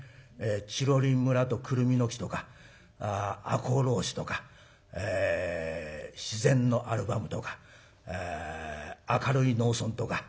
「チロリン村とくるみの木」とか「赤穂浪士」とか「自然のアルバム」とか「明るい農村」とか。